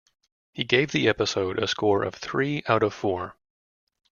He gave the episode a score of three out of four.